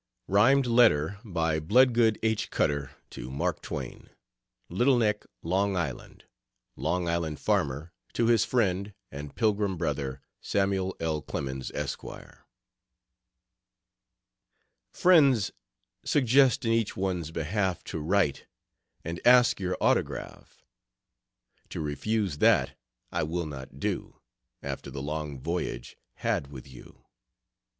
Rhymed letter by Bloodgood H. Cutter to Mark Twain: LITTLE NECK, LONG ISLAND. LONG ISLAND FARMER, TO HIS FRIEND AND PILGRIM BROTHER, SAMUEL L. CLEMENS, ESQ. Friends, suggest in each one's behalf To write, and ask your autograph. To refuse that, I will not do, After the long voyage had with you.